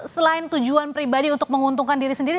selain tujuan pribadi untuk menguntungkan diri sendiri